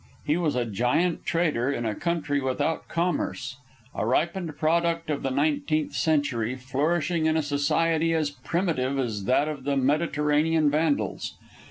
He was a giant trader in a country without commerce, a ripened product of the nineteenth century flourishing in a society as primitive as that of the Mediterranean vandals.